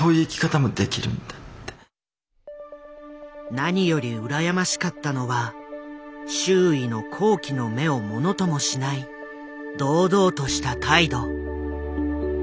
何より羨ましかったのは周囲の好奇の目をものともしない堂々とした態度。